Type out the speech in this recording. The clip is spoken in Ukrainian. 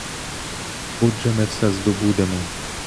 Отже, ми все здобудемо.